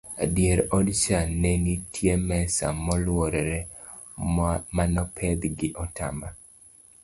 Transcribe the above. edier odcha nenitie mesa moluorore manopedh gi otamba